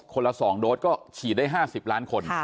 ละ๒โดสก็ฉีดได้๕๐ล้านคน